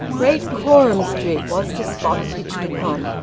Great Coram Street was the spot pitched upon.